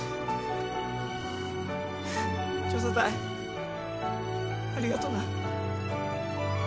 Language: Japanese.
「調査隊ありがとうな」